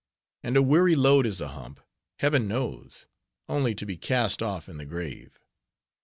And a weary load is a hump, Heaven knows, only to be cast off in the grave.